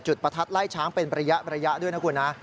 ประทัดไล่ช้างเป็นระยะด้วยนะคุณนะ